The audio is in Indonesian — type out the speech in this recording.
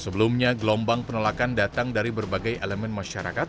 sebelumnya gelombang penolakan datang dari berbagai elemen masyarakat